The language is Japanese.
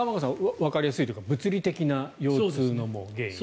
わかりやすいですが物理的な腰痛の原因。